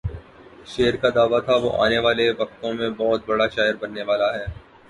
شعر کا دعویٰ تھا وہ آنے والے وقتوں میں بہت بڑا شاعر بننے والا ہے۔